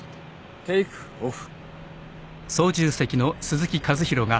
テークオフ。